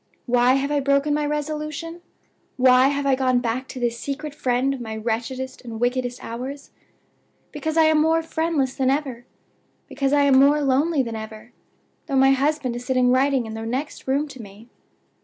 "Why have I broken my resolution? Why have I gone back to this secret friend of my wretchedest and wickedest hours? Because I am more friendless than ever; because I am more lonely than ever, though my husband is sitting writing in the next room to me.